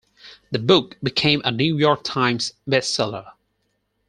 The book became a "New York Times" bestseller.